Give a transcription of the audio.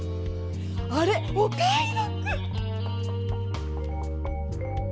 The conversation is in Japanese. あれ！お買いどく！